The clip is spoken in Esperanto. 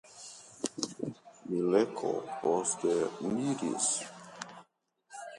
Mikelo posteniris.